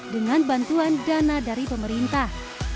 dengan bantuan dana dari pemerintah